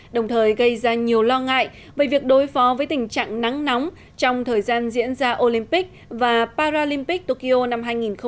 đồng thời gây ra nhiều lo ngại về việc đối phó với tình trạng nắng nóng trong thời gian diễn ra olympic và paralympic tokyo năm hai nghìn hai mươi